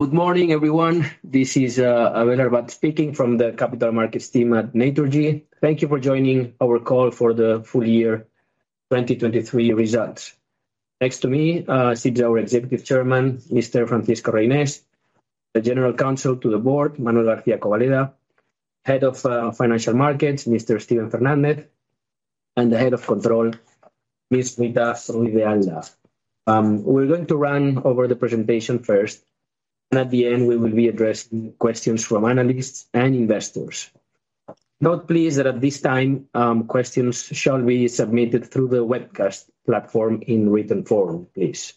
Good morning, everyone. This is Abel Arbat speaking from the Capital Markets team at Naturgy. Thank you for joining our call for the full year 2023 results. Next to me sits our Executive Chairman, Mr. Francisco Reynés, the General Counsel to the board, Manuel García Cobaleda, Head of Financial Markets, Mr. Steven Fernández, and the Head of Control, Ms. Rita Ruiz de Alda. We're going to run over the presentation first, and at the end we will be addressing questions from analysts and investors. Note please that at this time questions shall be submitted through the webcast platform in written form, please.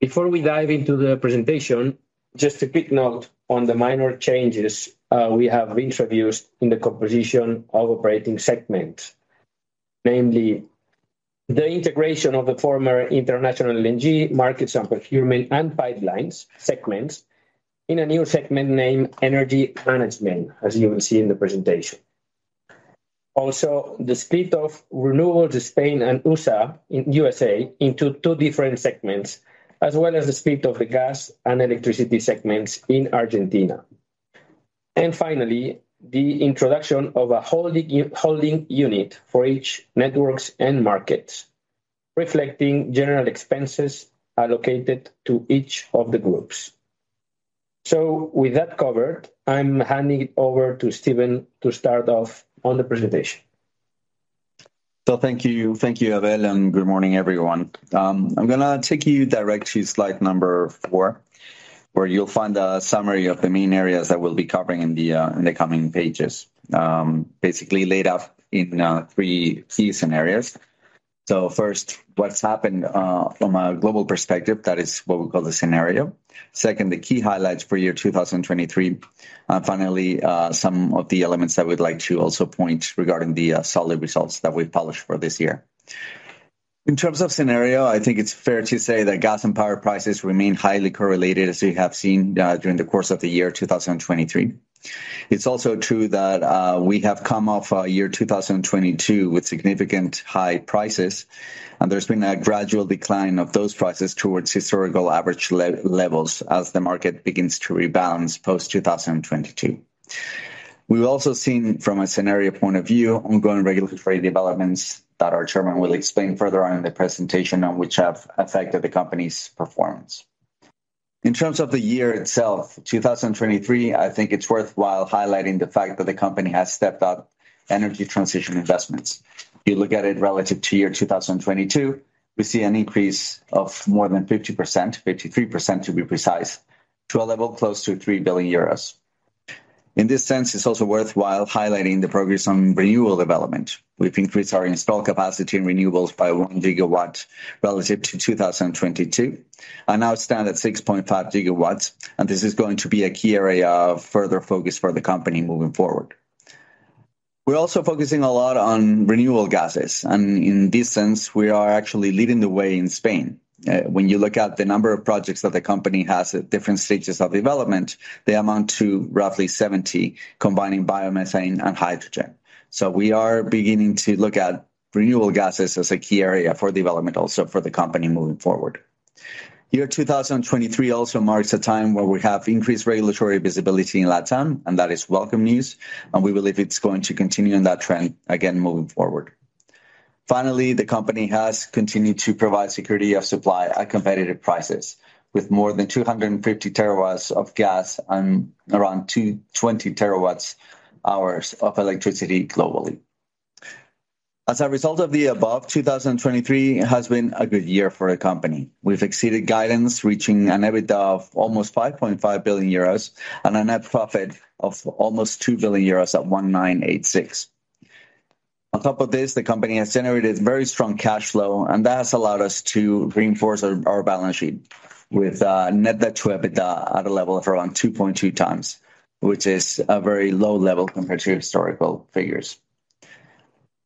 Before we dive into the presentation, just a quick note on the minor changes we have introduced in the composition of operating segments, namely the integration of the former International LNG Markets and Procurement and Pipelines segments in a new segment named Energy Management, as you will see in the presentation. Also, the split of Renewables Spain and in the USA into two different segments, as well as the split of the gas and electricity segments in Argentina. And finally, the introduction of a holding unit for each networks and markets, reflecting general expenses allocated to each of the groups. So with that covered, I'm handing it over to Steven to start off on the presentation. Thank you, Abel, and good morning, everyone. I'm going to take you direct to slide number four, where you'll find a summary of the main areas that we'll be covering in the coming pages, basically laid out in three key scenarios. So first, what's happened from a global perspective, that is what we call the scenario. Second, the key highlights for year 2023. And finally, some of the elements that we'd like to also point regarding the solid results that we've published for this year. In terms of scenario, I think it's fair to say that gas and power prices remain highly correlated, as we have seen during the course of the year 2023. It's also true that we have come off year 2022 with significant high prices, and there's been a gradual decline of those prices towards historical average levels as the market begins to rebalance post-2022. We've also seen, from a scenario point of view, ongoing regulatory developments that our chairman will explain further on in the presentation and which have affected the company's performance. In terms of the year itself, 2023, I think it's worthwhile highlighting the fact that the company has stepped up energy transition investments. If you look at it relative to year 2022, we see an increase of more than 50%, 53% to be precise, to a level close to 3 billion euros. In this sense, it's also worthwhile highlighting the progress on renewable development. We've increased our installed capacity in renewables by 1 GW relative to 2022 and now stand at 6.5 GW, and this is going to be a key area of further focus for the company moving forward. We're also focusing a lot on renewable gases, and in this sense, we are actually leading the way in Spain. When you look at the number of projects that the company has at different stages of development, they amount to roughly 70, combining biomethane and hydrogen. So we are beginning to look at renewable gases as a key area for development also for the company moving forward. Year 2023 also marks a time where we have increased regulatory visibility in LATAM, and that is welcome news, and we believe it's going to continue in that trend again moving forward. Finally, the company has continued to provide security of supply at competitive prices, with more than 250 TW of gas and around 220 TWh of electricity globally. As a result of the above, 2023 has been a good year for the company. We've exceeded guidance, reaching an EBITDA of almost 5.5 billion euros and a net profit of almost 2 billion euros at 1986. On top of this, the company has generated very strong cash flow, and that has allowed us to reinforce our balance sheet, with net debt to EBITDA at a level of around 2.2x, which is a very low level compared to historical figures.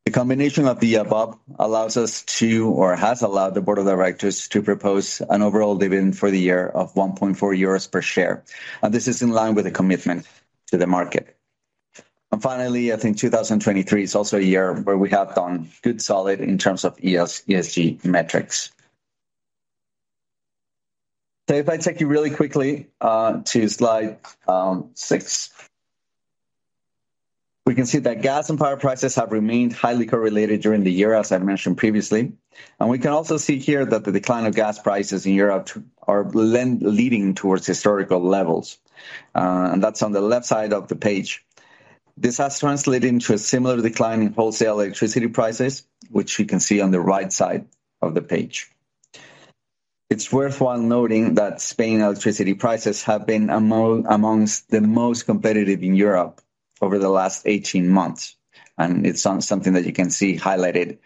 The combination of the above allows us to, or has allowed the board of directors, to propose an overall dividend for the year of 1.4 euros per share, and this is in line with a commitment to the market. Finally, I think 2023 is also a year where we have done good solid in terms of ESG metrics. So if I take you really quickly to slide six, we can see that gas and power prices have remained highly correlated during the year, as I mentioned previously. We can also see here that the decline of gas prices in Europe are leading towards historical levels, and that's on the left side of the page. This has translated into a similar decline in wholesale electricity prices, which you can see on the right side of the page. It's worthwhile noting that Spain electricity prices have been among the most competitive in Europe over the last 18 months, and it's something that you can see highlighted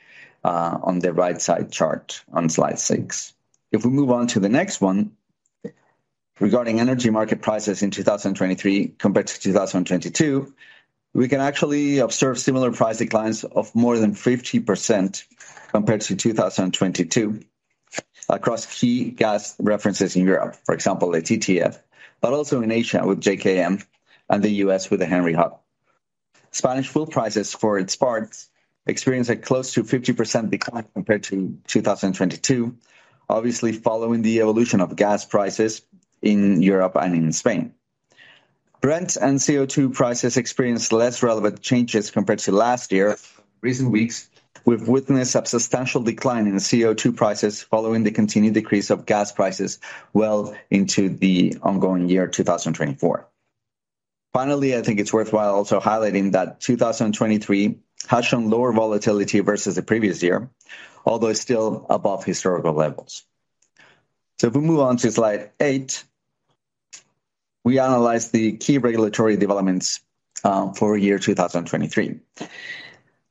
on the right side chart on slide six. If we move on to the next one, regarding energy market prices in 2023 compared to 2022, we can actually observe similar price declines of more than 50% compared to 2022 across key gas references in Europe, for example, the TTF, but also in Asia with JKM and the U.S. with the Henry Hub. Spanish fuel prices, for its part, experienced a close to 50% decline compared to 2022, obviously following the evolution of gas prices in Europe and in Spain. Brent and CO2 prices experienced less relevant changes compared to last year. In recent weeks, we've witnessed a substantial decline in CO2 prices following the continued decrease of gas prices well into the ongoing year 2024. Finally, I think it's worthwhile also highlighting that 2023 has shown lower volatility versus the previous year, although it's still above historical levels. So if we move on to slide eight, we analyze the key regulatory developments for year 2023.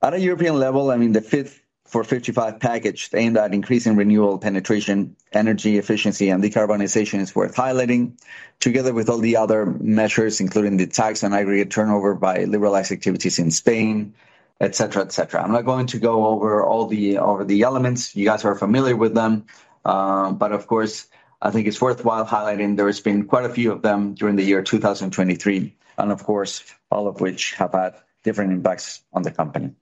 At a European level, I mean, the Fit for 55 package aimed at increasing renewable penetration, energy efficiency, and decarbonization is worth highlighting, together with all the other measures, including the tax and aggregate turnover by liberalized activities in Spain, et cetera, et cetera. I'm not going to go over all the elements. You guys are familiar with them. But of course, I think it's worthwhile highlighting there have been quite a few of them during the year 2023, and of course, all of which have had different impacts on the company.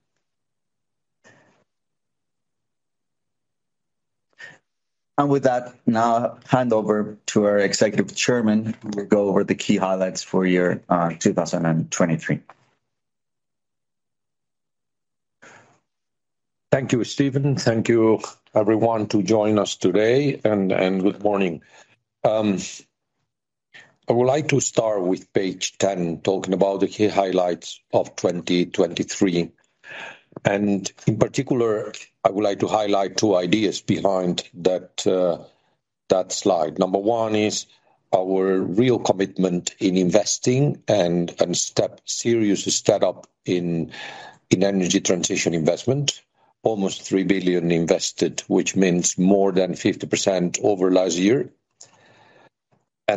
And with that, now hand over to our Executive Chairman, and we'll go over the key highlights for year 2023. Thank you, Steven. Thank you, everyone, for joining us today, and good morning. I would like to start with page 10, talking about the key highlights of 2023. In particular, I would like to highlight two ideas behind that slide. Number one is our real commitment in investing and serious step up in energy transition investment. Almost 3 billion invested, which means more than 50% over last year.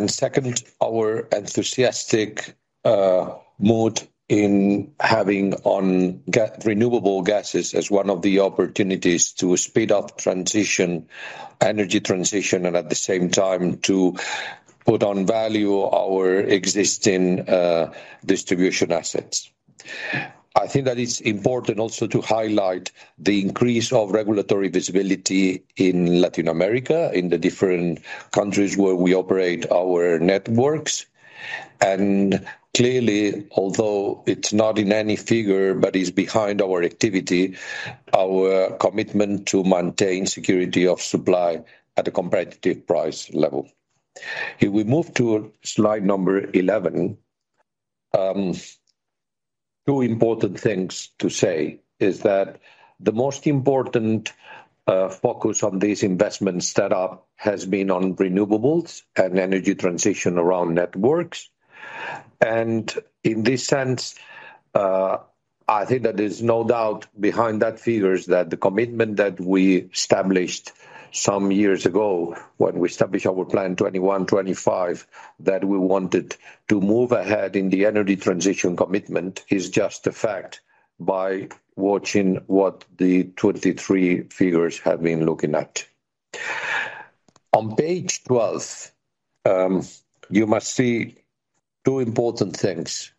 Second, our enthusiastic mood in having renewable gases as one of the opportunities to speed up energy transition and at the same time to put on value our existing distribution assets. I think that it's important also to highlight the increase of regulatory visibility in Latin America, in the different countries where we operate our networks. Clearly, although it's not in any figure but is behind our activity, our commitment to maintain security of supply at a competitive price level. If we move to slide 11, two important things to say is that the most important focus on this investment step up has been on renewables and energy transition around networks. In this sense, I think that there's no doubt behind that figure is that the commitment that we established some years ago when we established our plan 2021-2025, that we wanted to move ahead in the energy transition commitment, is justified by watching what the 2023 figures have been looking at. On page 12, you must see two important things.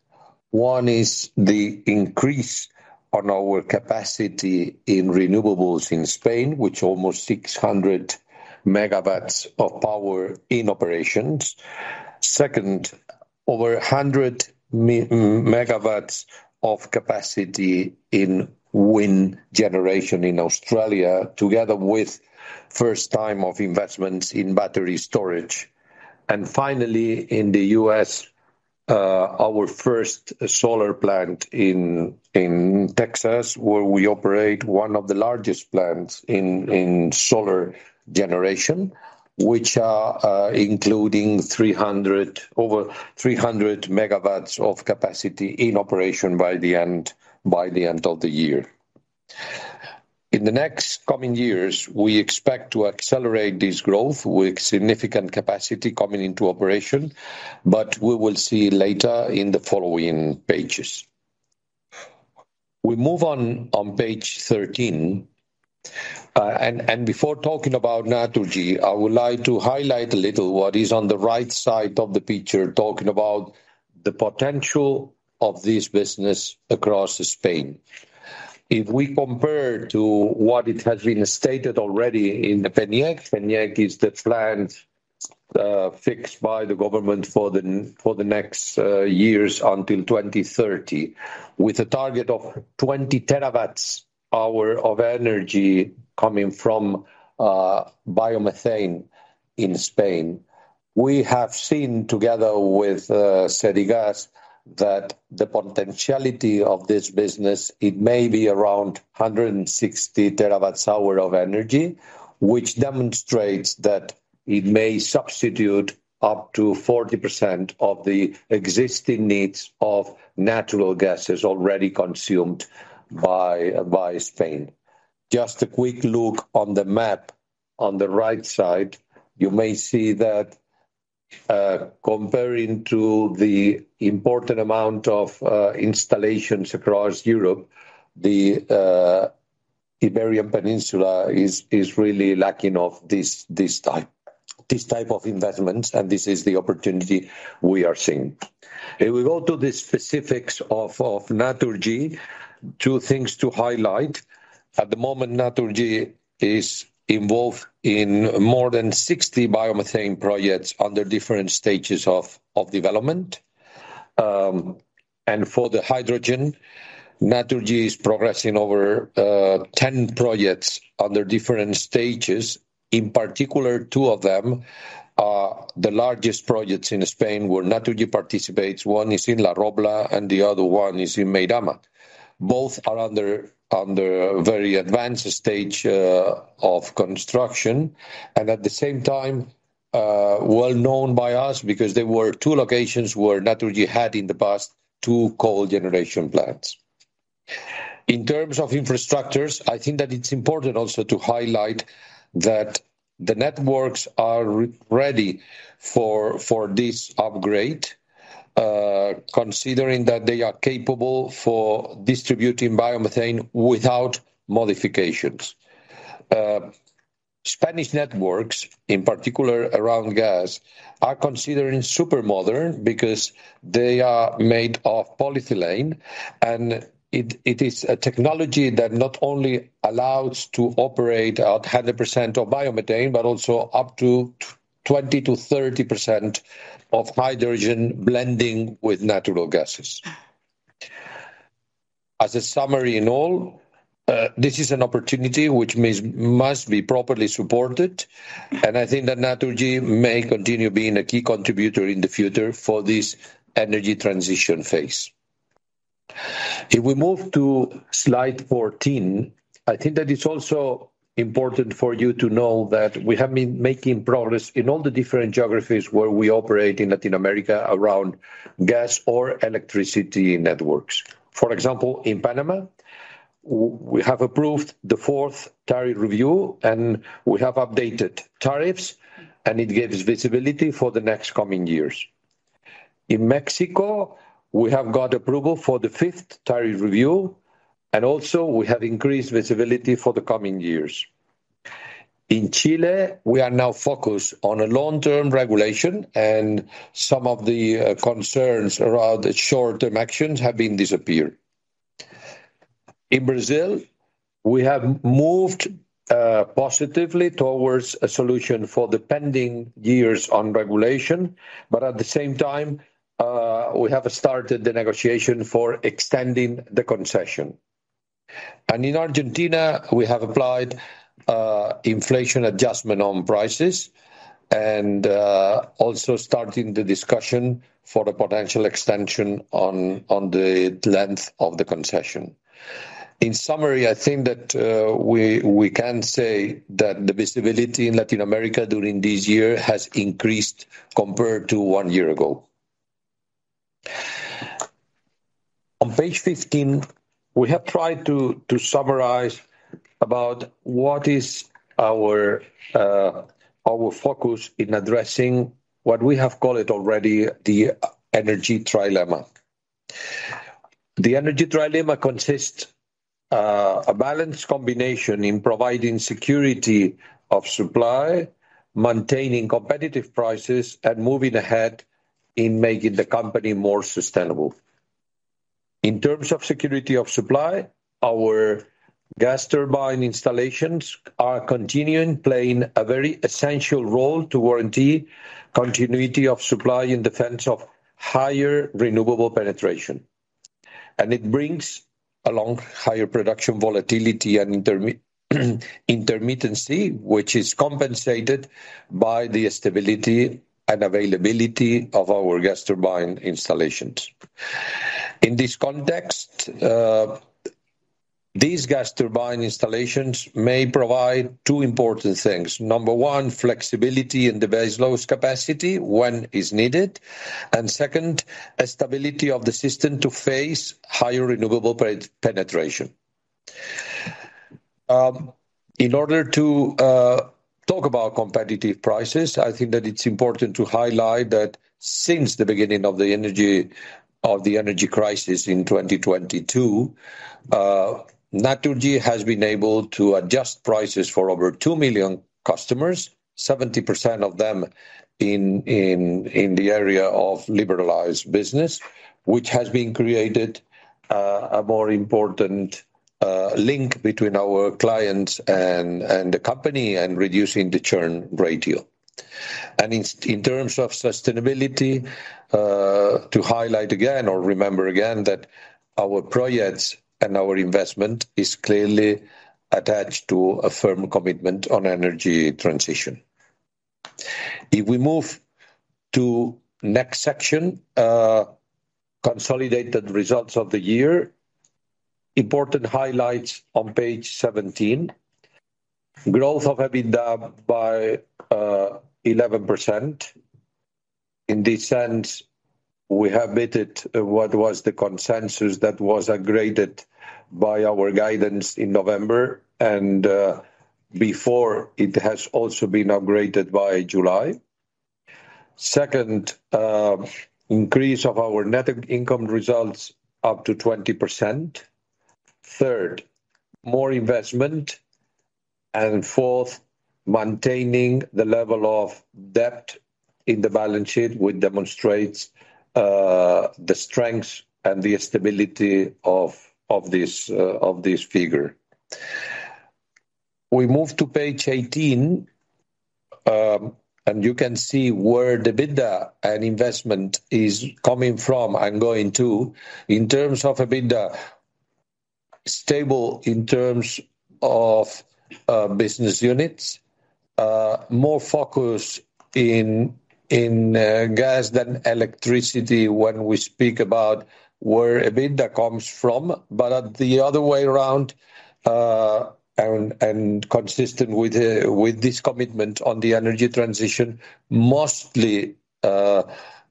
One is the increase on our capacity in renewables in Spain, which is almost 600 MW of power in operations. Second, over 100 MW of capacity in wind generation in Australia, together with first-time investments in battery storage. And finally, in the U.S., our first solar plant in Texas, where we operate one of the largest plants in solar generation, which are including over 300 MW of capacity in operation by the end of the year. In the next coming years, we expect to accelerate this growth with significant capacity coming into operation, but we will see later in the following pages. We move on page 13. And before talking about Naturgy, I would like to highlight a little what is on the right side of the picture, talking about the potential of this business across Spain. If we compare to what has been stated already in the PNIEC, PNIEC is the plan fixed by the government for the next years until 2030, with a target of 20 TWh of energy coming from biomethane in Spain. We have seen, together with Sedigas, that the potentiality of this business. It may be around 160 TWh of energy, which demonstrates that it may substitute up to 40% of the existing needs of natural gases already consumed by Spain. Just a quick look on the map on the right side, you may see that comparing to the important amount of installations across Europe, the Iberian Peninsula is really lacking of this type of investments, and this is the opportunity we are seeing. If we go to the specifics of Naturgy, two things to highlight. At the moment, Naturgy is involved in more than 60 biomethane projects under different stages of development. For the hydrogen, Naturgy is progressing over 10 projects under different stages. In particular, two of them, the largest projects in Spain where Naturgy participates, one is in La Robla and the other one is in Meirama. Both are under a very advanced stage of construction and at the same time, well known by us because there were two locations where Naturgy had in the past two coal generation plants. In terms of infrastructures, I think that it's important also to highlight that the networks are ready for this upgrade, considering that they are capable of distributing biomethane without modifications. Spanish networks, in particular around gas, are considered super modern because they are made of polyethylene, and it is a technology that not only allows to operate at 100% of biomethane, but also up to 20%-30% of hydrogen blending with natural gases. As a summary in all, this is an opportunity which must be properly supported, and I think that Naturgy may continue being a key contributor in the future for this energy transition phase. If we move to slide 14, I think that it's also important for you to know that we have been making progress in all the different geographies where we operate in Latin America around gas or electricity networks. For example, in Panama, we have approved the fourth tariff review, and we have updated tariffs, and it gives visibility for the next coming years. In Mexico, we have got approval for the fifth tariff review, and also we have increased visibility for the coming years. In Chile, we are now focused on a long-term regulation, and some of the concerns around short-term actions have disappeared. In Brazil, we have moved positively towards a solution for the pending years on regulation, but at the same time, we have started the negotiation for extending the concession. In Argentina, we have applied inflation adjustment on prices and also started the discussion for a potential extension on the length of the concession. In summary, I think that we can say that the visibility in Latin America during this year has increased compared to one year ago. On page 15, we have tried to summarize about what is our focus in addressing what we have called it already, the energy trilemma. The energy trilemma consists of a balanced combination in providing security of supply, maintaining competitive prices, and moving ahead in making the company more sustainable. In terms of security of supply, our gas turbine installations are continuing to play a very essential role to guarantee continuity of supply in defense of higher renewable penetration. And it brings along higher production volatility and intermittency, which is compensated by the stability and availability of our gas turbine installations. In this context, these gas turbine installations may provide two important things. Number one, flexibility in the base load capacity when it is needed. And second, stability of the system to face higher renewable penetration. In order to talk about competitive prices, I think that it's important to highlight that since the beginning of the energy crisis in 2022, Naturgy has been able to adjust prices for over 2 million customers, 70% of them in the area of liberalized business, which has been created a more important link between our clients and the company and reducing the churn ratio. In terms of sustainability, to highlight again or remember again that our projects and our investment is clearly attached to a firm commitment on energy transition. If we move to the next section, consolidated results of the year, important highlights on page 17, growth of EBITDA by 11%. In this sense, we have beaten what was the consensus that was upgraded by our guidance in November, and before it has also been upgraded by July. Second, increase of our net income results up to 20%. Third, more investment. Fourth, maintaining the level of debt in the balance sheet demonstrates the strength and the stability of this figure. We move to page 18, and you can see where the EBITDA and investment is coming from and going to. In terms of EBITDA, stable in terms of business units, more focus in gas than electricity when we speak about where EBITDA comes from. But at the other way around, and consistent with this commitment on the energy transition, mostly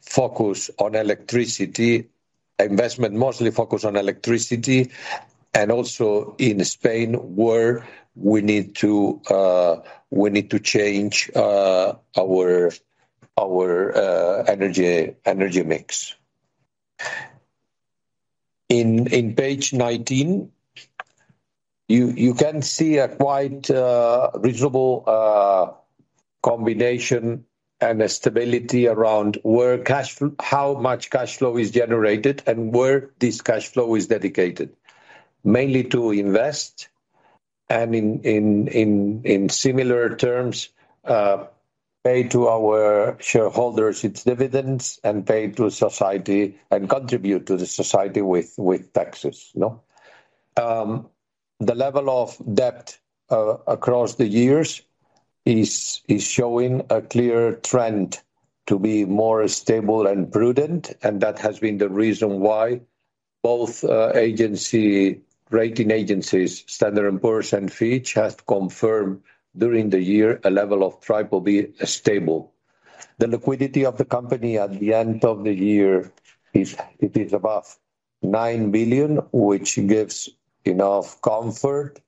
focus on electricity, investment mostly focused on electricity, and also in Spain where we need to change our energy mix. In page 19, you can see a quite reasonable combination and a stability around how much cash flow is generated and where this cash flow is dedicated, mainly to invest and in similar terms, pay to our shareholders its dividends and pay to society and contribute to the society with taxes. The level of debt across the years is showing a clear trend to be more stable and prudent, and that has been the reason why both rating agencies, Standard & Poor's and Fitch, have confirmed during the year a level of BBB stable. The liquidity of the company at the end of the year, it is above 9 billion, which gives enough comfort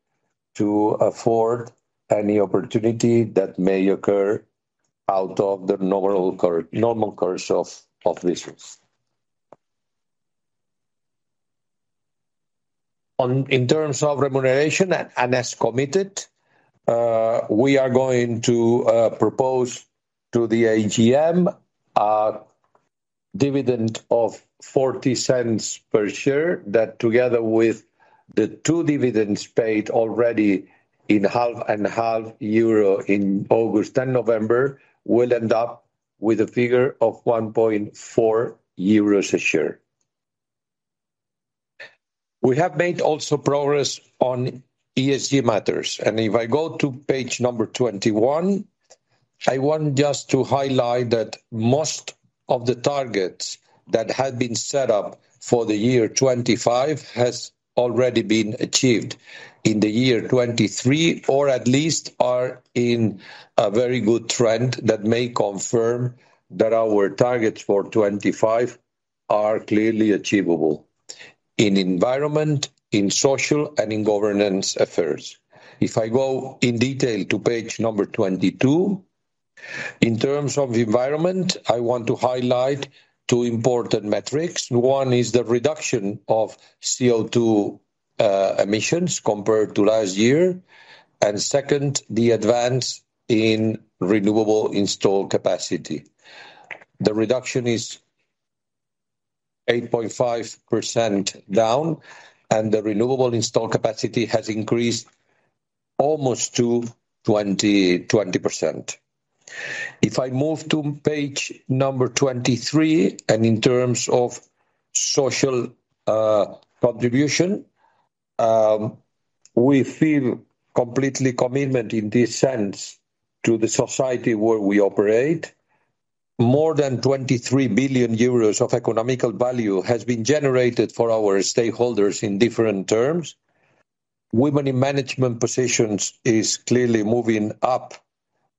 to afford any opportunity that may occur out of the normal course of business. In terms of remuneration and as committed, we are going to propose to the AGM a dividend of 0.40 per share that together with the 2 dividends paid already in EUR 50/50 in August and November will end up with a figure of 1.4 euros a share. We have made also progress on ESG matters. If I go to page 21, I want just to highlight that most of the targets that had been set up for the year 2025 have already been achieved in the year 2023 or at least are in a very good trend that may confirm that our targets for 2025 are clearly achievable in environment, in social, and in governance affairs. If I go in detail to page 22, in terms of environment, I want to highlight 2 important metrics. One is the reduction of CO2 emissions compared to last year. Second, the advance in renewable install capacity. The reduction is 8.5% down, and the renewable install capacity has increased almost to 20%. If I move to page 23, in terms of social contribution, we feel completely committed in this sense to the society where we operate. More than 23 billion euros of economic value has been generated for our stakeholders in different terms. Women in management positions are clearly moving up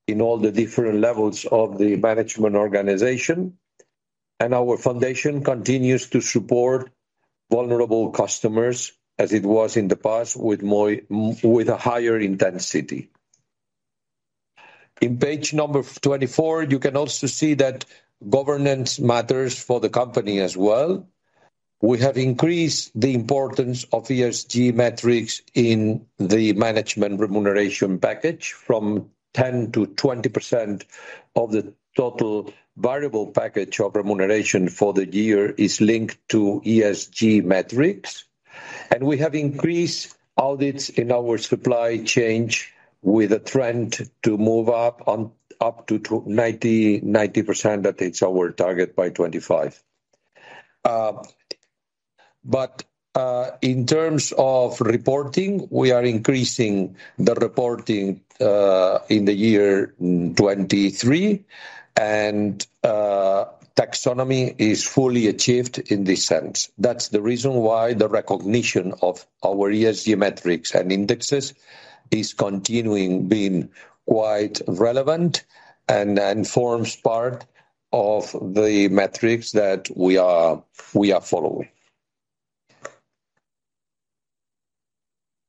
in all the different levels of the management organization. Our foundation continues to support vulnerable customers as it was in the past with a higher intensity. On page 24, you can also see that governance matters for the company as well. We have increased the importance of ESG metrics in the management remuneration package from 10% to 20% of the total variable package of remuneration for the year is linked to ESG metrics. And we have increased audits in our supply chain with a trend to move up to 90% that it's our target by 2025. But in terms of reporting, we are increasing the reporting in the year 2023, and taxonomy is fully achieved in this sense. That's the reason why the recognition of our ESG metrics and indexes is continuing to be quite relevant and forms part of the metrics that we are following.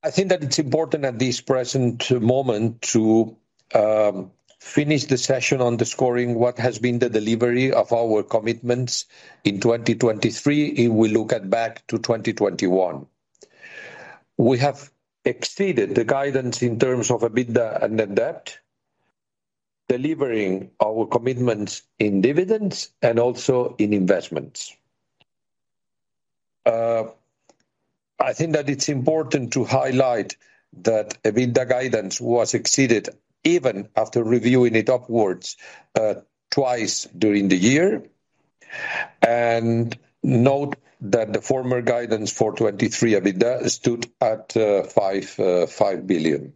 I think that it's important at this present moment to finish the session on the scoring what has been the delivery of our commitments in 2023 if we look back to 2021. We have exceeded the guidance in terms of EBITDA and debt, delivering our commitments in dividends and also in investments. I think that it's important to highlight that EBITDA guidance was exceeded even after reviewing it upwards twice during the year. Note that the former guidance for 2023 EBITDA stood at 5 billion.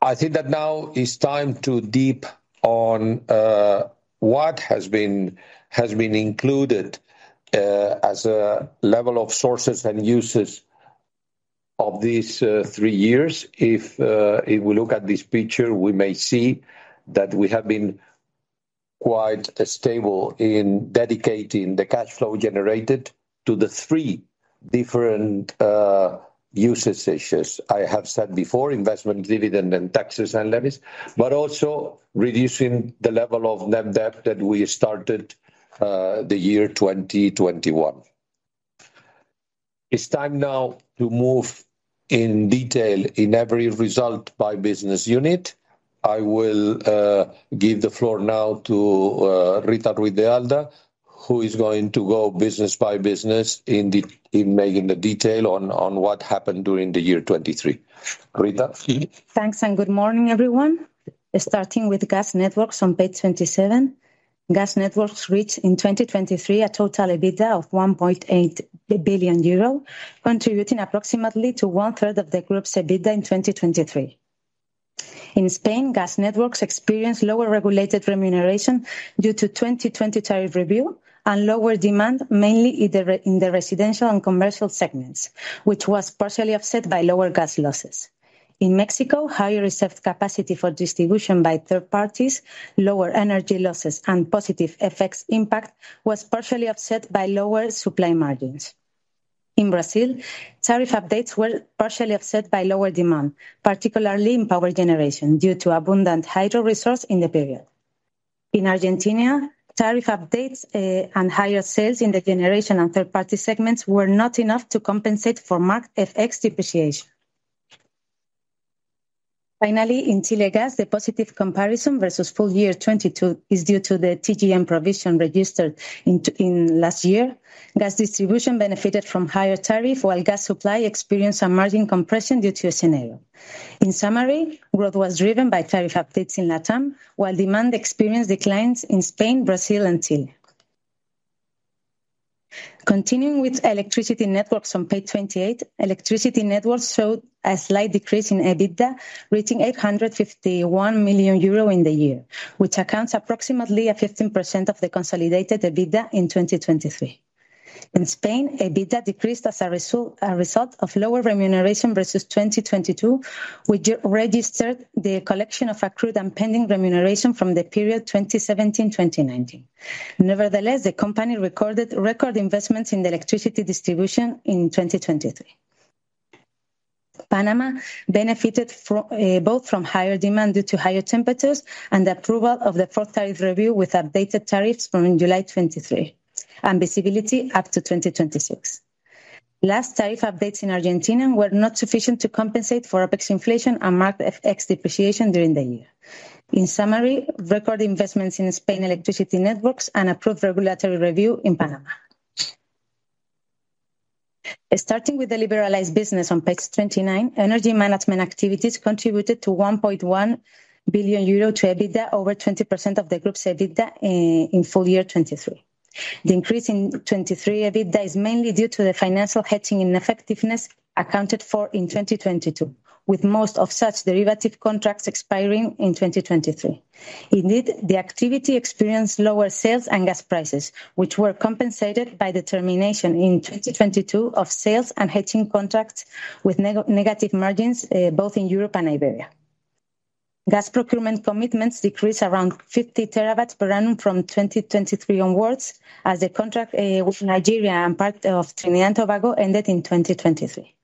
I think that now it's time to dive deep on what has been included as a level of sources and uses of these three years. If we look at this picture, we may see that we have been quite stable in dedicating the cash flow generated to the three different uses I have said before, investment, dividend, and taxes, and levies, but also reducing the level of net debt that we started the year 2021. It's time now to move in detail in every result by business unit. I will give the floor now to Rita Ruiz de Alda, who is going to go business by business in making the detail on what happened during the year 2023. Rita? Thanks and good morning, everyone. Starting with gas networks on page 27, gas networks reached in 2023 a total EBITDA of 1.8 billion euro, contributing approximately to one-third of the group's EBITDA in 2023. In Spain, gas networks experienced lower regulated remuneration due to 2020 tariff review and lower demand, mainly in the residential and commercial segments, which was partially offset by lower gas losses. In Mexico, higher received capacity for distribution by third parties, lower energy losses, and positive effects impact was partially offset by lower supply margins. In Brazil, tariff updates were partially offset by lower demand, particularly in power generation due to abundant hydro resources in the period. In Argentina, tariff updates and higher sales in the generation and third-party segments were not enough to compensate for marked FX depreciation. Finally, in Chile Gas, the positive comparison versus 2022 is due to the TGM provision registered in last year. Gas distribution benefited from higher tariffs, while gas supply experienced a margin compression due to a scenario. In summary, growth was driven by tariff updates in Latam, while demand experienced declines in Spain, Brazil, and Chile. Continuing with electricity networks on page 28, electricity networks showed a slight decrease in EBITDA, reaching 851 million euro in the year, which accounts for approximately 15% of the consolidated EBITDA in 2023. In Spain, EBITDA decreased as a result of lower remuneration versus 2022, which registered the collection of accrued and pending remuneration from the period 2017-2019. Nevertheless, the company recorded record investments in the electricity distribution in 2023. Panama benefited both from higher demand due to higher temperatures and the approval of the fourth tariff review with updated tariffs from July 23, and visibility up to 2026. Last tariff updates in Argentina were not sufficient to compensate for OpEx inflation and marked FX depreciation during the year. In summary, record investments in Spain electricity networks and approved regulatory review in Panama. Starting with the liberalized business on page 29, energy management activities contributed 1.1 billion euro to EBITDA, over 20% of the group's EBITDA in full year 2023. The increase in 2023 EBITDA is mainly due to the financial hedging ineffectiveness accounted for in 2022, with most of such derivative contracts expiring in 2023. Indeed, the activity experienced lower sales and gas prices, which were compensated by the termination in 2022 of sales and hedging contracts with negative margins both in Europe and Iberia. Gas procurement commitments decreased around 50 TW per annum from 2023 onwards, as the contract with Nigeria and part of Trinidad and Tobago ended in 2023.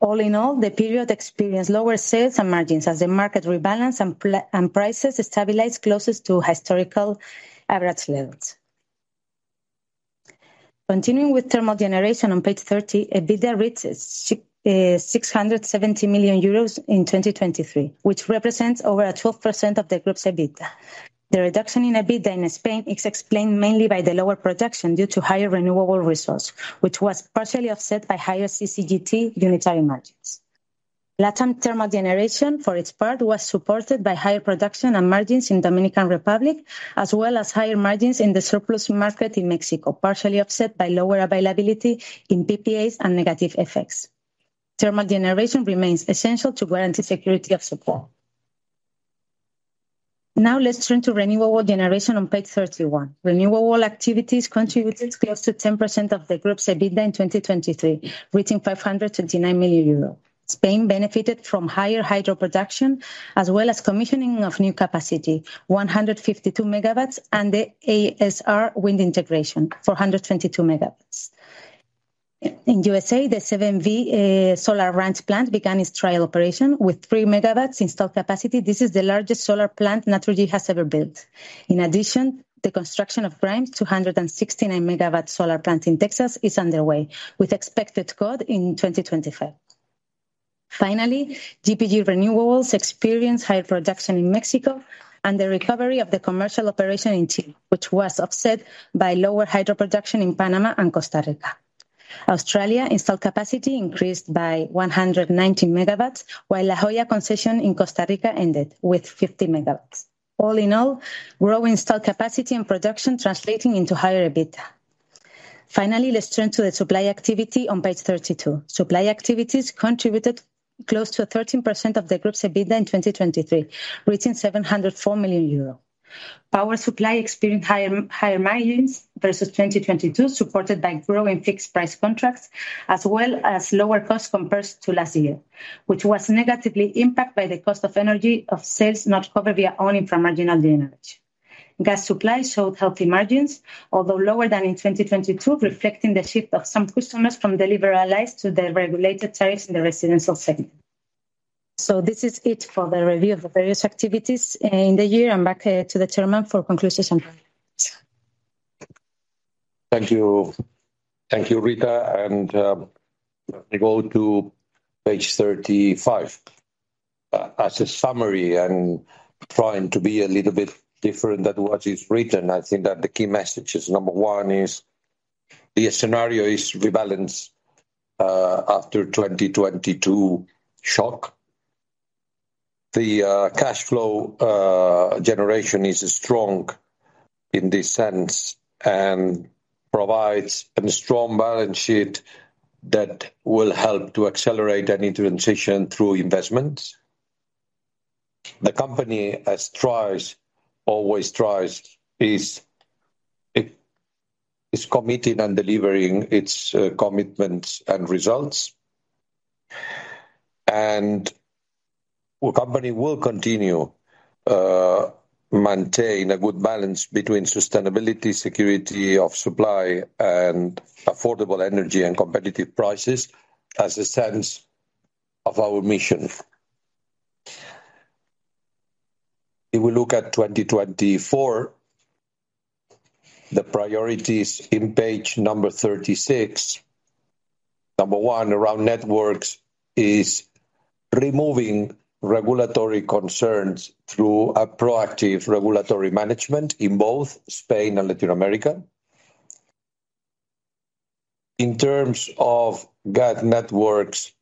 All in all, the period experienced lower sales and margins as the market rebalanced and prices stabilized closest to historical average levels. Continuing with thermal generation on page 30, EBITDA reached 670 million euros in 2023, which represents over 12% of the group's EBITDA. The reduction in EBITDA in Spain is explained mainly by the lower production due to higher renewable resources, which was partially offset by higher CCGT unitary margins. Latam thermal generation, for its part, was supported by higher production and margins in the Dominican Republic, as well as higher margins in the surplus market in Mexico, partially offset by lower availability in PPAs and negative effects. Thermal generation remains essential to guarantee security of supply. Now, let's turn to renewable generation on page 31. Renewable activities contributed close to 10% of the group's EBITDA in 2023, reaching 529 million euros. Spain benefited from higher hydro production, as well as commissioning of new capacity, 152 MW, and the ASR Wind integration, 422 MW. In the USA, the 7V Solar Ranch plant began its trial operation with 3 MW installed capacity. This is the largest solar plant Naturgy has ever built. In addition, the construction of Grimes' 269 MW solar plant in Texas is underway, with expected COD in 2025. Finally, GPG Renewables experienced higher production in Mexico and the recovery of the commercial operation in Chile, which was offset by lower hydro production in Panama and Costa Rica. Australia installed capacity increased by 190 MW, while La Joya concession in Costa Rica ended with 50 MW. All in all, growing installed capacity and production translating into higher EBITDA. Finally, let's turn to the supply activity on page 32. Supply activities contributed close to 13% of the group's EBITDA in 2023, reaching 704 million euro. Power supply experienced higher margins versus 2022, supported by growing fixed price contracts, as well as lower costs compared to last year, which was negatively impacted by the cost of energy of sales not covered via own inframarginal generation. Gas supply showed healthy margins, although lower than in 2022, reflecting the shift of some customers from the liberalized to the regulated tariffs in the residential segment. So this is it for the review of the various activities in the year. I'm back to the chairman for conclusions and comments. Thank you. Thank you, Rita. And let me go to page 35. As a summary and trying to be a little bit different than what is written, I think that the key message is, number 1 is the scenario is rebalanced after the 2022 shock. The cash flow generation is strong in this sense and provides a strong balance sheet that will help to accelerate any transition through investments. The company, as always tries, is committing and delivering its commitments and results. And the company will continue to maintain a good balance between sustainability, security of supply, and affordable energy and competitive prices as a sense of our mission. If we look at 2024, the priorities in page 36, number one around networks, is removing regulatory concerns through a proactive regulatory management in both Spain and Latin America. In terms of gas networks,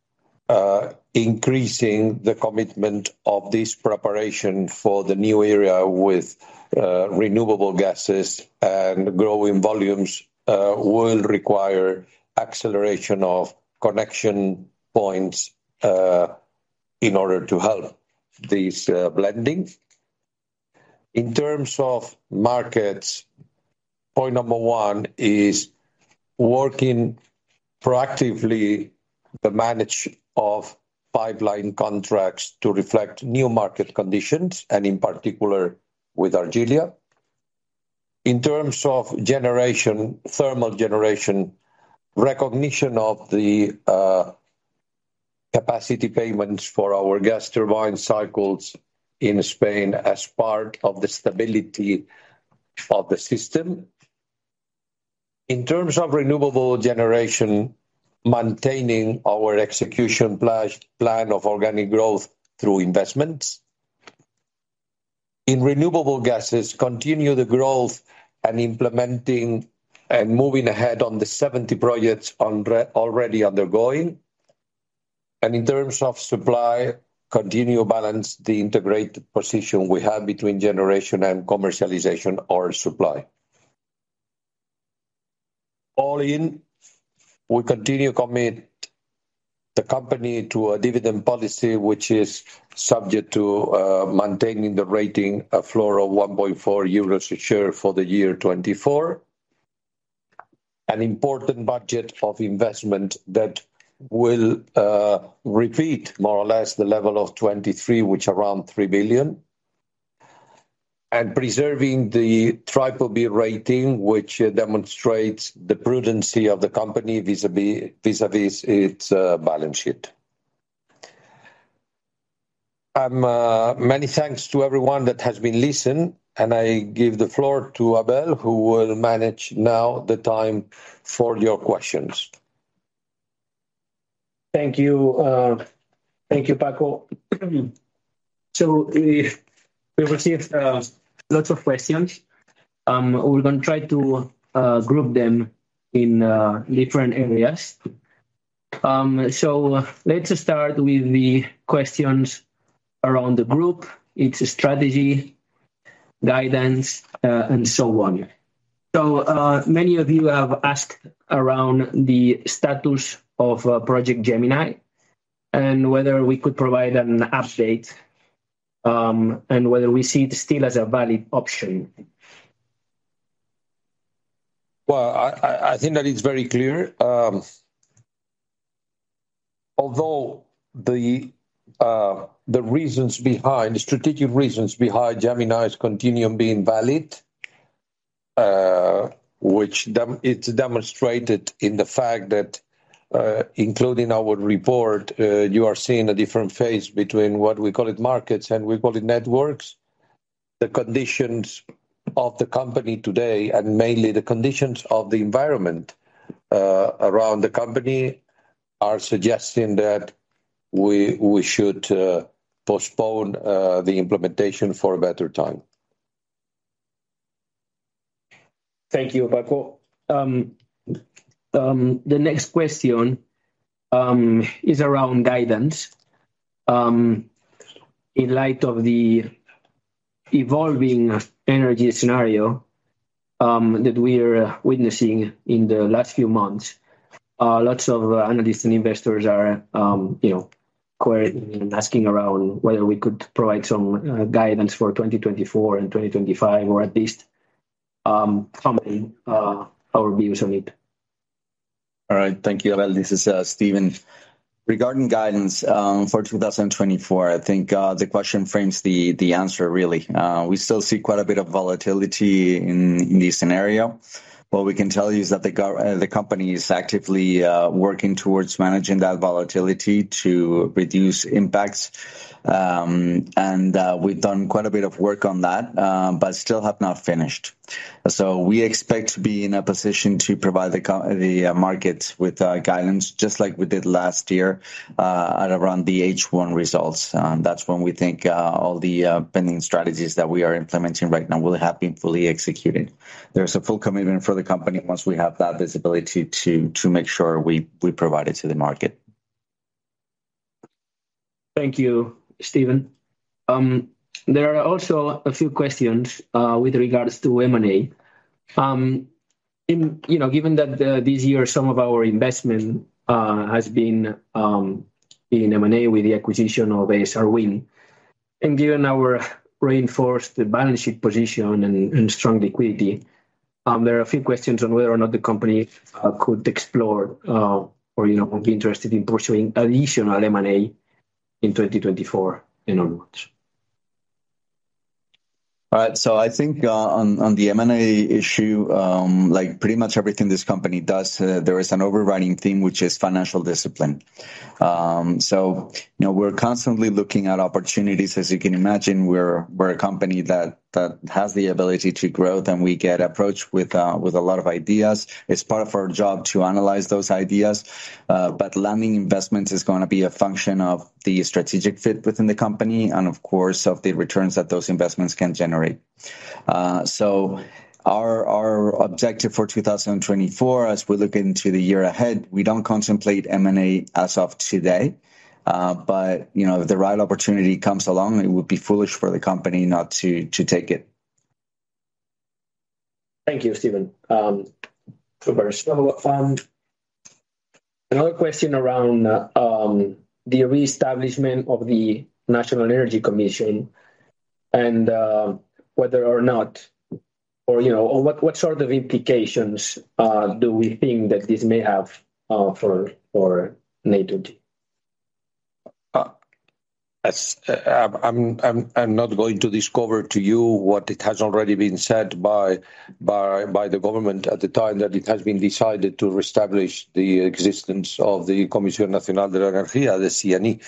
increasing the commitment of this preparation for the new era with renewable gases and growing volumes will require acceleration of connection points in order to help this blending. In terms of markets, point number one is working proactively to manage pipeline contracts to reflect new market conditions, and in particular with Algeria. In terms of thermal generation, recognition of the capacity payments for our gas turbine cycles in Spain as part of the stability of the system. In terms of renewable generation, maintaining our execution plan of organic growth through investments. In renewable gases, continue the growth and moving ahead on the 70 projects already undergoing. In terms of supply, continue to balance the integrated position we have between generation and commercialization or supply. All in, we continue to commit the company to a dividend policy, which is subject to maintaining the rating floor of 1.4 euros a share for the year 2024. An important budget of investment that will repeat more or less the level of 2023, which is around 3 billion. And preserving the BBB rating, which demonstrates the prudence of the company vis-à-vis its balance sheet. Many thanks to everyone that has been listened. And I give the floor to Abel, who will manage now the time for your questions. Thank you. Thank you, Paco. So we received lots of questions. We're going to try to group them in different areas. So let's start with the questions around the group, its strategy, guidance, and so on. So many of you have asked around the status of Project Gemini and whether we could provide an update and whether we see it still as a valid option. Well, I think that it's very clear. Although the strategic reasons behind Gemini's continuum being valid, which it's demonstrated in the fact that, including our report, you are seeing a different phase between what we call it markets and we call it networks. The conditions of the company today, and mainly the conditions of the environment around the company, are suggesting that we should postpone the implementation for a better time. Thank you, Paco. The next question is around guidance. In light of the evolving energy scenario that we are witnessing in the last few months, lots of analysts and investors are querying and asking around whether we could provide some guidance for 2024 and 2025, or at least comment our views on it. All right. Thank you, Abel. This is Steven. Regarding guidance for 2024, I think the question frames the answer, really. We still see quite a bit of volatility in this scenario. What we can tell you is that the company is actively working towards managing that volatility to reduce impacts. And we've done quite a bit of work on that, but still have not finished. So we expect to be in a position to provide the markets with guidance, just like we did last year at around the H1 results. That's when we think all the pending strategies that we are implementing right now will have been fully executed. There's a full commitment for the company once we have that visibility to make sure we provide it to the market. Thank you, Steven. There are also a few questions with regards to M&A. Given that this year, some of our investment has been in M&A with the acquisition of ASR Wind. And given our reinforced balance sheet position and strong liquidity, there are a few questions on whether or not the company could explore or be interested in pursuing additional M&A in 2024 and onwards. All right. So I think on the M&A issue, like pretty much everything this company does, there is an overriding theme, which is financial discipline. So we're constantly looking at opportunities. As you can imagine, we're a company that has the ability to grow, and we get approached with a lot of ideas. It's part of our job to analyze those ideas. But landing investments is going to be a function of the strategic fit within the company and, of course, of the returns that those investments can generate. So our objective for 2024, as we look into the year ahead, we don't contemplate M&A as of today. But if the right opportunity comes along, it would be foolish for the company not to take it. Thank you, Steven. Another question around the reestablishment of the National Energy Commission and whether or not, or what sort of implications do we think that this may have for Naturgy? I'm not going to disclose to you what it has already been said by the government at the time that it has been decided to reestablish the existence of the Comisión Nacional de la Energía, the CNE.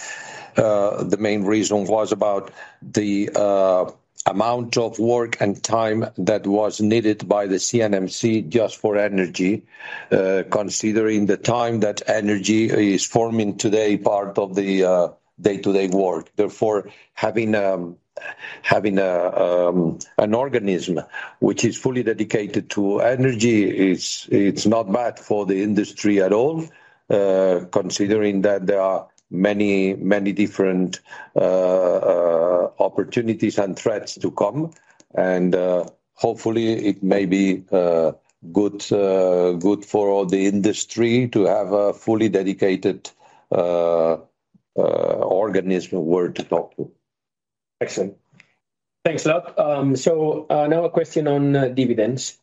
The main reason was about the amount of work and time that was needed by the CNMC just for energy, considering the time that energy is forming today part of the day-to-day work. Therefore, having an organism which is fully dedicated to energy is not bad for the industry at all, considering that there are many, many different opportunities and threats to come. And hopefully, it may be good for the industry to have a fully dedicated organism where to talk to. Excellent. Thanks a lot. So now a question on dividends.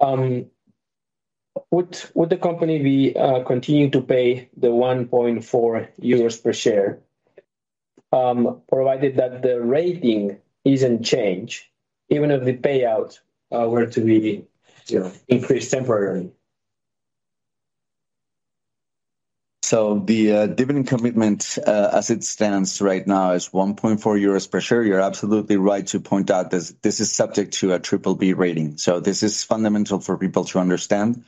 Would the company continue to pay the 1.4 euros per share provided that the rating isn't changed, even if the payout were to be increased temporarily? So the dividend commitment, as it stands right now, is 1.4 euros per share. You're absolutely right to point out this is subject to a BBB rating. So this is fundamental for people to understand.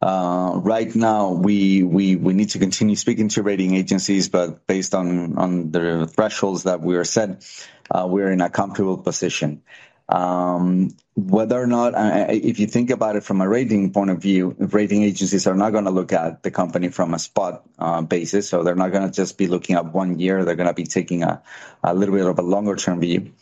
Right now, we need to continue speaking to rating agencies, but based on the thresholds that we are set, we're in a comfortable position. If you think about it from a rating point of view, rating agencies are not going to look at the company from a spot basis. So they're not going to just be looking at one year. They're going to be taking a little bit of a longer-term view.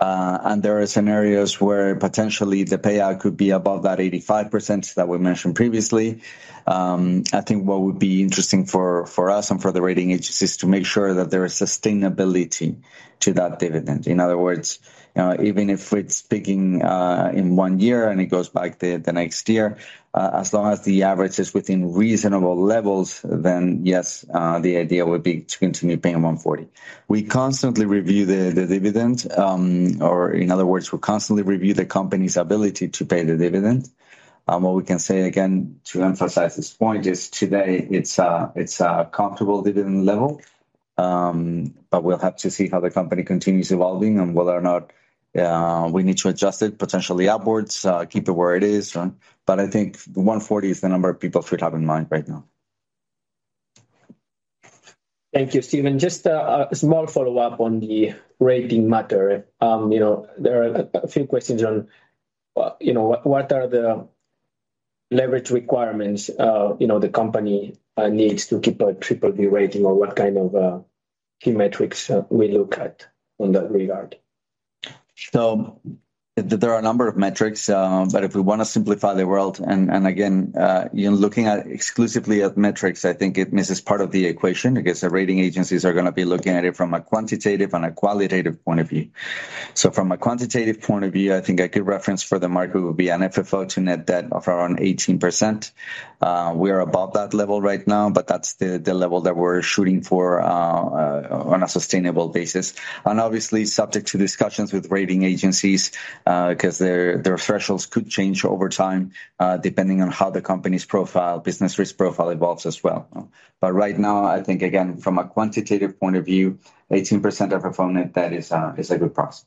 There are scenarios where potentially the payout could be above that 85% that we mentioned previously. I think what would be interesting for us and for the rating agencies is to make sure that there is sustainability to that dividend. In other words, even if it's peaking in one year and it goes back the next year, as long as the average is within reasonable levels, then yes, the idea would be to continue paying 140. We constantly review the dividend. In other words, we constantly review the company's ability to pay the dividend. What we can say, again, to emphasize this point is today, it's a comfortable dividend level. We'll have to see how the company continues evolving and whether or not we need to adjust it potentially upwards, keep it where it is. But I think 140 is the number of people should have in mind right now. Thank you, Steven. Just a small follow-up on the rating matter. There are a few questions on what are the leverage requirements the company needs to keep a BBB rating, or what kind of key metrics we look at in that regard? So there are a number of metrics. But if we want to simplify the world, and again, looking exclusively at metrics, I think it misses part of the equation. I guess the rating agencies are going to be looking at it from a quantitative and a qualitative point of view. So from a quantitative point of view, I think a good reference for the market would be an FFO to net debt of around 18%. We are above that level right now, but that's the level that we're shooting for on a sustainable basis. And obviously, subject to discussions with rating agencies because their thresholds could change over time depending on how the company's profile, business risk profile evolves as well. But right now, I think, again, from a quantitative point of view, 18% FFO net debt is a good price.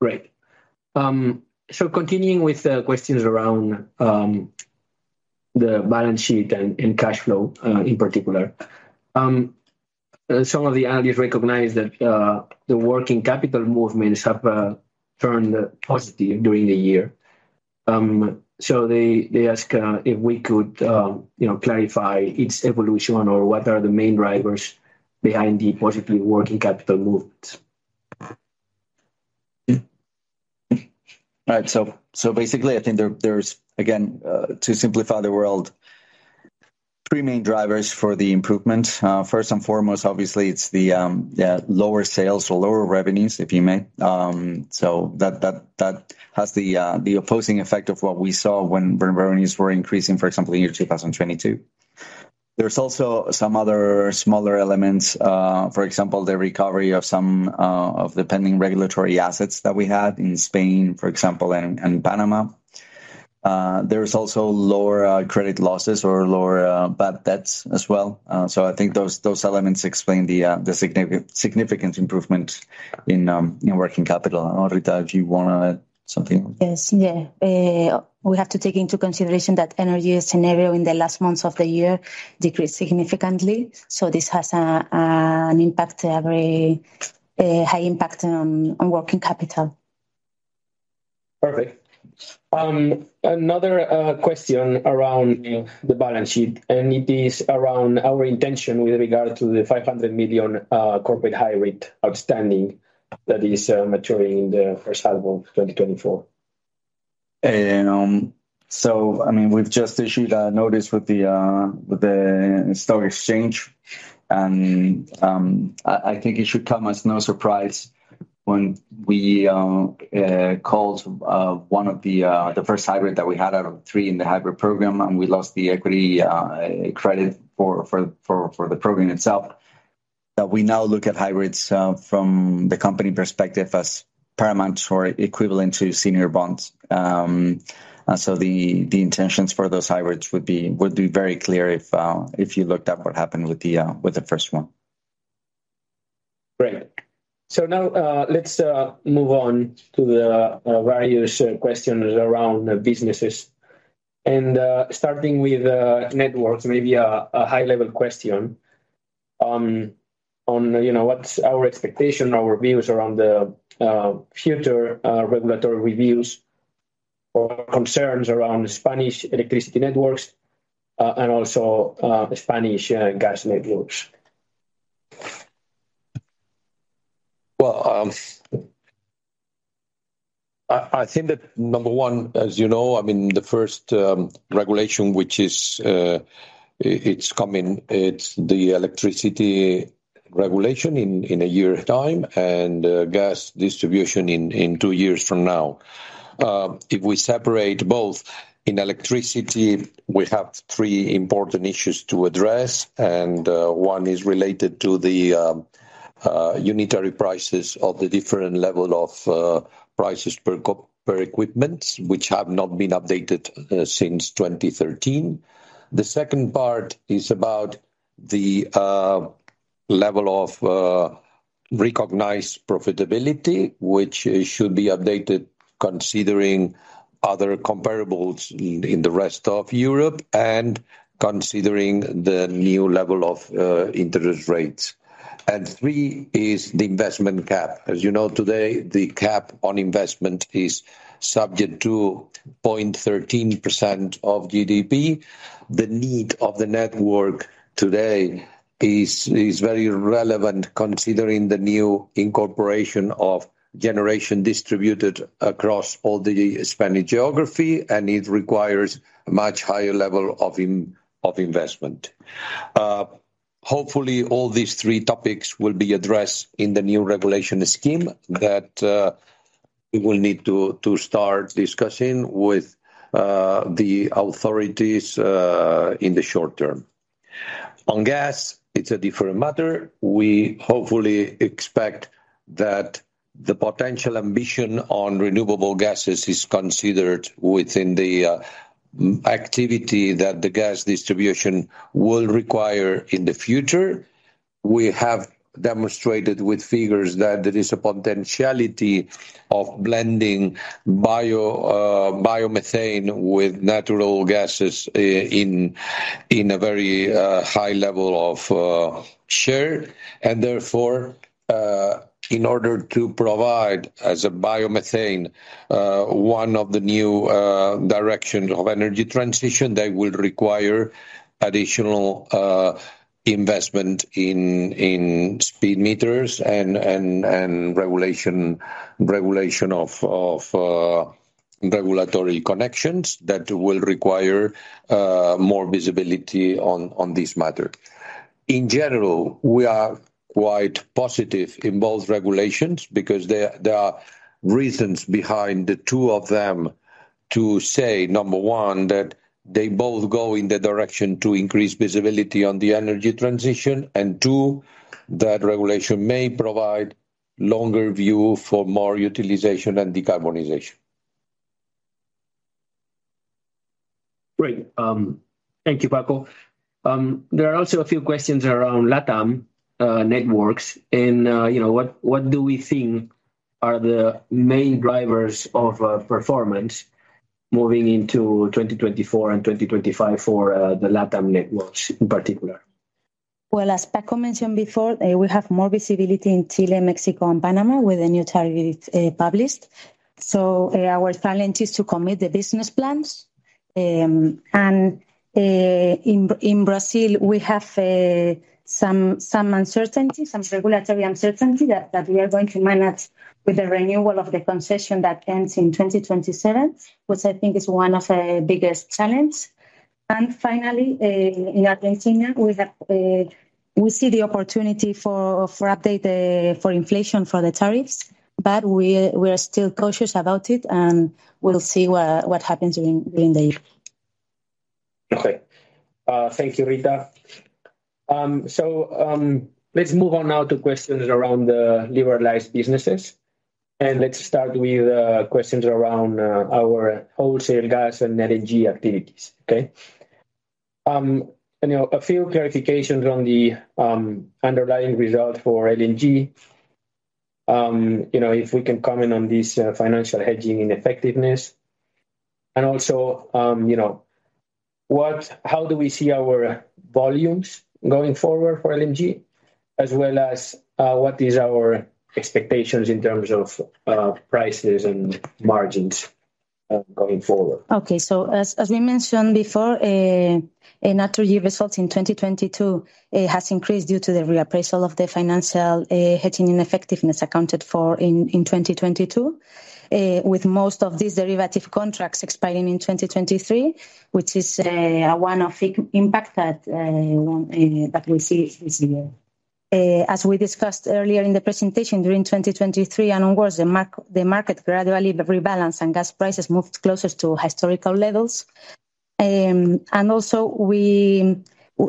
Great. So continuing with the questions around the balance sheet and cash flow in particular, some of the analysts recognize that the working capital movements have turned positive during the year. So they ask if we could clarify its evolution or what are the main drivers behind the positive working capital movements. All right. So basically, I think there's, again, to simplify the world, three main drivers for the improvement. First and foremost, obviously, it's the lower sales or lower revenues, if you may. So that has the opposing effect of what we saw when revenues were increasing, for example, in 2022. There's also some other smaller elements. For example, the recovery of some of the pending regulatory assets that we had in Spain, for example, and Panama. There's also lower credit losses or lower bad debts as well. So I think those elements explain the significant improvement in working capital. Rita, if you want to add something? Yes. Yeah. We have to take into consideration that energy scenario in the last months of the year decreased significantly. So this has a high impact on working capital. Perfect. Another question around the balance sheet, and it is around our intention with regard to the 500 million corporate hybrid outstanding that is maturing in the first half of 2024. So I mean, we've just issued a notice with the stock exchange. I think it should come as no surprise when we called one of the first hybrid that we had out of three in the hybrid program, and we lost the equity credit for the program itself, that we now look at hybrids from the company perspective as paramount or equivalent to senior bonds. So the intentions for those hybrids would be very clear if you looked at what happened with the first one. Great. Now let's move on to the various questions around businesses. Starting with networks, maybe a high-level question on what's our expectation, our views around the future regulatory reviews or concerns around Spanish electricity networks and also Spanish gas networks. Well, I think that number one, as you know, I mean, the first regulation, which it's coming, it's the electricity regulation in a year's time and gas distribution in two years from now. If we separate both, in electricity, we have three important issues to address. One is related to the unitary prices of the different level of prices per equipment, which have not been updated since 2013. The second part is about the level of recognized profitability, which should be updated considering other comparables in the rest of Europe and considering the new level of interest rates. Three is the investment cap. As you know, today, the cap on investment is subject to 0.13% of GDP. The need of the network today is very relevant considering the new incorporation of generation distributed across all the Spanish geography, and it requires a much higher level of investment. Hopefully, all these three topics will be addressed in the new regulation scheme that we will need to start discussing with the authorities in the short term. On gas, it's a different matter. We hopefully expect that the potential ambition on renewable gases is considered within the activity that the gas distribution will require in the future. We have demonstrated with figures that there is a potentiality of blending biomethane with natural gases in a very high level of share. And therefore, in order to provide as a biomethane one of the new directions of energy transition, they will require additional investment in speed meters and regulation of regulatory connections that will require more visibility on this matter. In general, we are quite positive in both regulations because there are reasons behind the two of them to say, number one, that they both go in the direction to increase visibility on the energy transition. And two, that regulation may provide longer view for more utilization and decarbonization. Great. Thank you, Paco. There are also a few questions around LATAM networks. What do we think are the main drivers of performance moving into 2024 and 2025 for the LATAM networks in particular? Well, as Paco mentioned before, we have more visibility in Chile, Mexico, and Panama with the new tariff published. So our challenge is to commit the business plans. And in Brazil, we have some uncertainty, some regulatory uncertainty that we are going to manage with the renewal of the concession that ends in 2027, which I think is one of the biggest challenges. And finally, in Argentina, we see the opportunity for inflation for the tariffs. But we are still cautious about it. And we'll see what happens during the year. Okay. Thank you, Rita. So let's move on now to questions around the liberalized businesses. And let's start with questions around our wholesale gas and LNG activities. Okay? A few clarifications on the underlying results for LNG, if we can comment on this financial hedging ineffectiveness. And also, how do we see our volumes going forward for LNG, as well as what is our expectations in terms of prices and margins going forward? Okay. So as we mentioned before, Naturgy results in 2022 has increased due to the reappraisal of the financial hedging ineffectiveness accounted for in 2022, with most of these derivative contracts expiring in 2023, which is one of the impacts that we see this year. As we discussed earlier in the presentation, during 2023 and onwards, the market gradually rebalanced and gas prices moved closer to historical levels.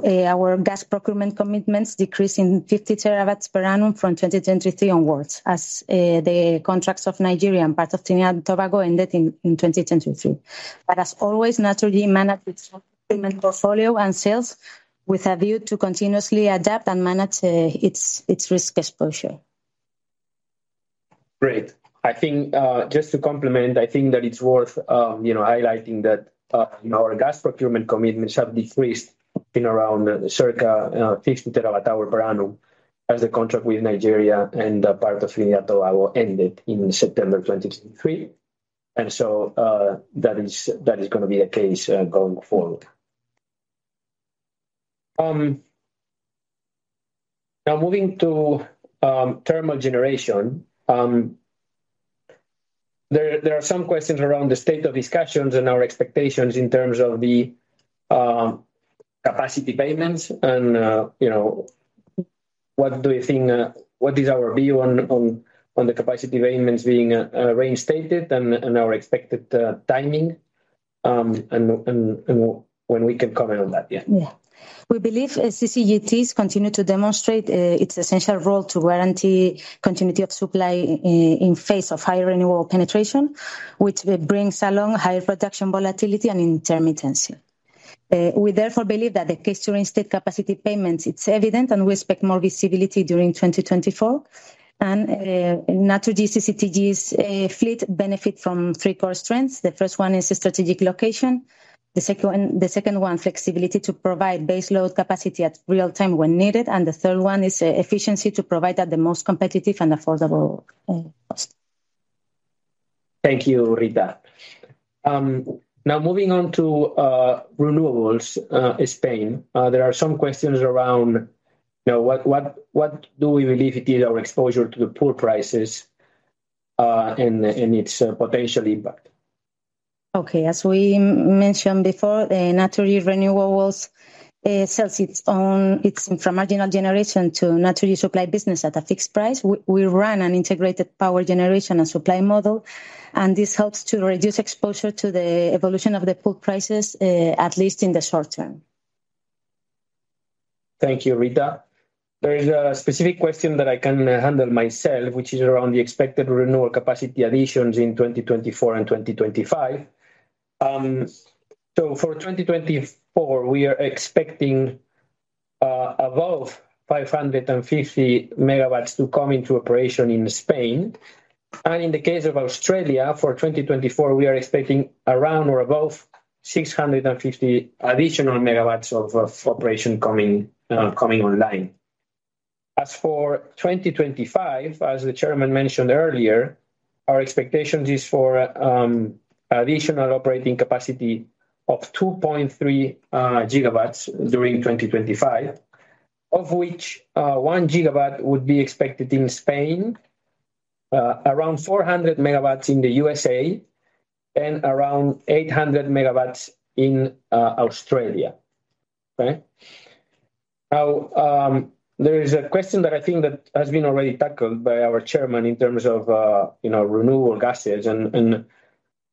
Our gas procurement commitments decreased in 50 TWh per annum from 2023 onwards, as the contracts of Nigeria and part of Trinidad and Tobago ended in 2023. But as always, Naturgy managed its own procurement portfolio and sales with a view to continuously adapt and manage its risk exposure. Great. I think just to complement, I think that it's worth highlighting that our gas procurement commitments have decreased in around circa 50 TWh per annum as the contract with Nigeria and part of Trinidad and Tobago ended in September 2023. And so that is going to be the case going forward. Now, moving to thermal generation, there are some questions around the state of discussions and our expectations in terms of the capacity payments. And what do you think what is our view on the capacity payments being reinstated and our expected timing? And when we can comment on that. Yeah. Yeah. We believe CCGTs continue to demonstrate its essential role to guarantee continuity of supply in face of higher renewable penetration, which brings along higher production volatility and intermittency. We therefore believe that the case during state capacity payments, it's evident, and we expect more visibility during 2024. Naturgy CCGTs fleet benefit from three core strengths. The first one is strategic location. The second one, flexibility to provide base load capacity at real time when needed. The third one is efficiency to provide at the most competitive and affordable cost. Thank you, Rita. Now, moving on to renewables, Spain, there are some questions around what do we believe it is our exposure to the pool prices and its potential impact? Okay. As we mentioned before, Naturgy renewables sells its inframarginal generation to Naturgy supply business at a fixed price. We run an integrated power generation and supply model. This helps to reduce exposure to the evolution of the pool prices, at least in the short term. Thank you, Rita. There is a specific question that I can handle myself, which is around the expected renewable capacity additions in 2024 and 2025. For 2024, we are expecting above 550 MW to come into operation in Spain. In the case of Australia, for 2024, we are expecting around or above 650 additional MW of operation coming online. As for 2025, as the chairman mentioned earlier, our expectations is for additional operating capacity of 2.3 GW during 2025, of which 1 GW would be expected in Spain, around 400 MW in the USA, and around 800 MW in Australia. Okay? Now, there is a question that I think that has been already tackled by our chairman in terms of renewable gases.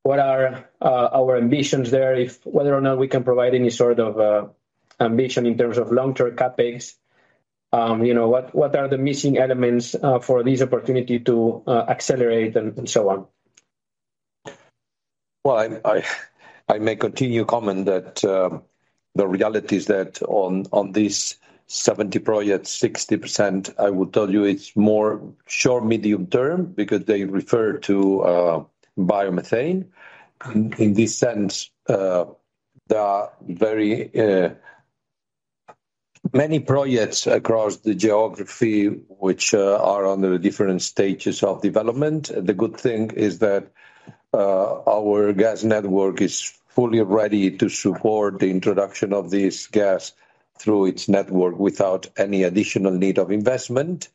What are our ambitions there, whether or not we can provide any sort of ambition in terms of long-term CapEx? What are the missing elements for this opportunity to accelerate and so on? Well, I may continue to comment that the reality is that on these 70 projects, 60%, I would tell you it's more short-medium term because they refer to biomethane. In this sense, there are many projects across the geography which are under the different stages of development. The good thing is that our gas network is fully ready to support the introduction of this gas through its network without any additional need of investment.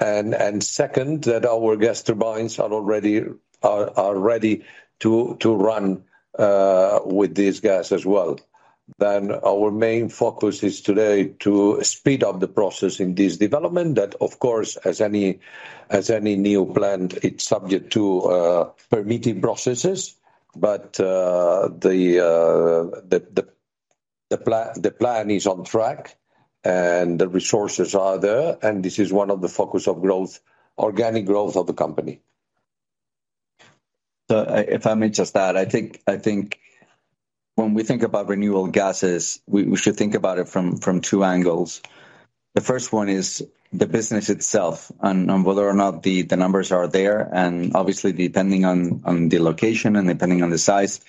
And second, that our gas turbines are already ready to run with this gas as well. Then our main focus is today to speed up the process in this development that, of course, as any new plant, it's subject to permitting processes. But the plan is on track. And the resources are there. And this is one of the focuses of organic growth of the company. So if I may just add, I think when we think about renewable gases, we should think about it from two angles. The first one is the business itself and whether or not the numbers are there. And obviously, depending on the location and depending on the size,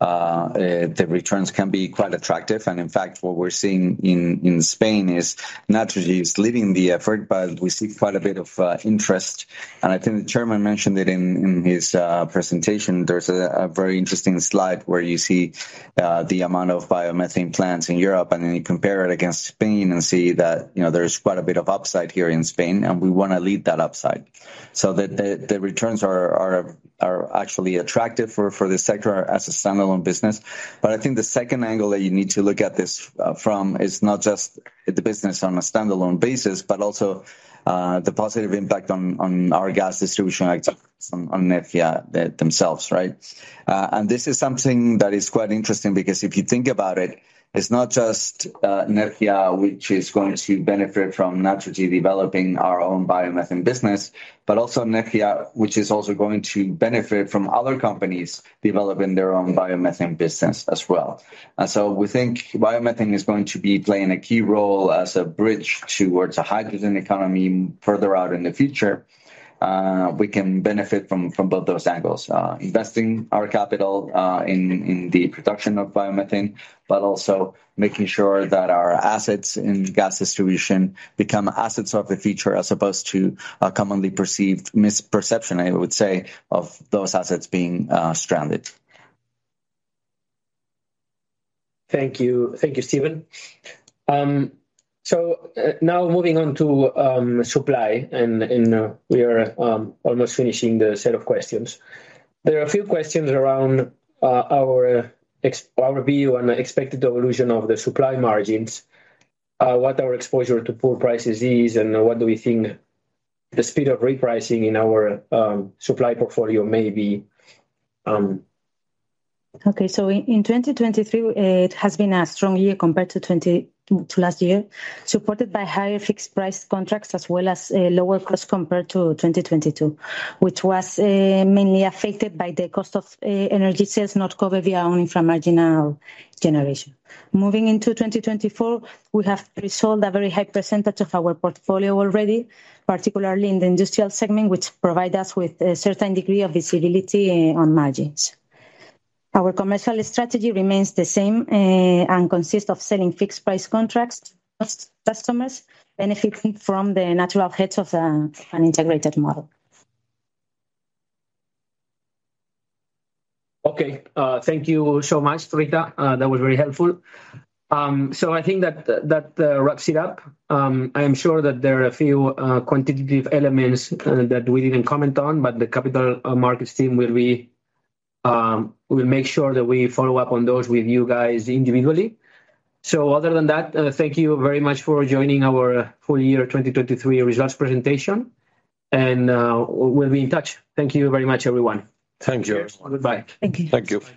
the returns can be quite attractive. And in fact, what we're seeing in Spain is Naturgy is leading the effort, but we see quite a bit of interest. And I think the Chairman mentioned it in his presentation. There's a very interesting slide where you see the amount of biomethane plants in Europe. Then you compare it against Spain and see that there's quite a bit of upside here in Spain. And we want to lead that upside so that the returns are actually attractive for this sector as a standalone business. But I think the second angle that you need to look at this from is not just the business on a standalone basis, but also the positive impact on our gas distribution activities on Nedgia themselves. Right? And this is something that is quite interesting because if you think about it, it's not just Nedgia, which is going to benefit from Naturgy developing our own biomethane business, but also Nedgia, which is also going to benefit from other companies developing their own biomethane business as well. And so we think biomethane is going to be playing a key role as a bridge towards a hydrogen economy further out in the future. We can benefit from both those angles, investing our capital in the production of biomethane, but also making sure that our assets in gas distribution become assets of the future as opposed to a commonly perceived misperception, I would say, of those assets being stranded. Thank you. Thank you, Steven. So now moving on to supply. And we are almost finishing the set of questions. There are a few questions around our view and expected evolution of the supply margins, what our exposure to pool prices is, and what do we think the speed of repricing in our supply portfolio may be. Okay. In 2023, it has been a strong year compared to last year, supported by higher fixed-price contracts as well as lower costs compared to 2022, which was mainly affected by the cost of energy sales not covered via own inframarginal generation. Moving into 2024, we have resolved a very high percentage of our portfolio already, particularly in the industrial segment, which provides us with a certain degree of visibility on margins. Our commercial strategy remains the same and consists of selling fixed-price contracts to customers benefiting from the natural hedges of an integrated model. Okay. Thank you so much, Rita. That was very helpful. I think that wraps it up. I am sure that there are a few quantitative elements that we didn't comment on, but the capital markets team will make sure that we follow up on those with you guys individually. Other than that, thank you very much for joining our full year 2023 results presentation. We'll be in touch. Thank you very much, everyone. Thank you, everyone. Goodbye. Thank you.